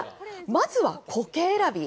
まずはコケ選び。